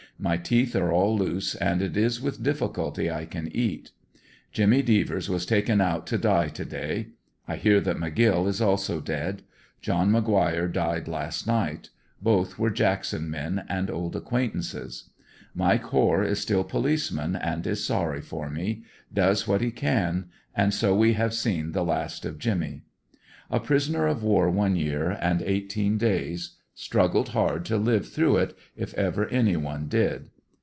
My teeth are all loose and it is with difficulty I can eat. ANDERSONYILLE DIARY. 89 Jimmy Devers was. taken out to die to day. I hear that McGill is also dead. John McGuire died last night, both were Jackson men and old acquaintances Mike Hoare is still policeman and is sorry for me. Does what he can. And so we have seen the last of Jimmy. A prisoner of war one year and eighteen days. Struggled hard to live through it, if ever any one did.